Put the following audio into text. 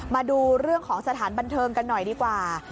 มาดูเรื่องของสถานบันเทิงกันหน่อยดีกว่า